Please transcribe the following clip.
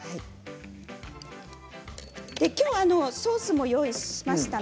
きょうはソースも用意しました。